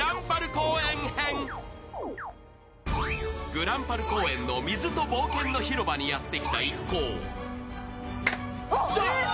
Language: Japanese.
ぐらんぱる公園の水と冒険の広場にやってきた一行。